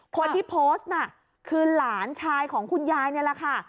คนที่โพสต์น่ะคือหลานชายของคุณยายนี่แหละค่ะ